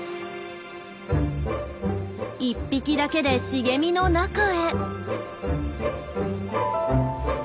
１匹だけで茂みの中へ。